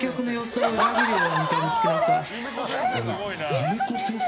夢子先生！